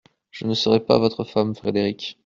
Je ne serai pas votre femme, Frédéric.